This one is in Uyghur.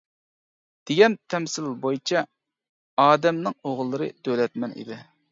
دېگەن تەمسىل بويىچە ئادەمنىڭ ئوغۇللىرى دۆلەتمەن ئىدى.